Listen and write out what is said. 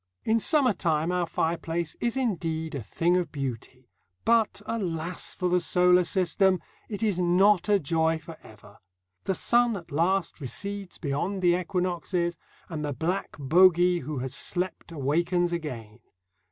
In summer time our fireplace is indeed a thing of beauty, but, alas for the solar system! it is not a joy for ever. The sun at last recedes beyond the equinoxes, and the black bogey who has slept awakens again.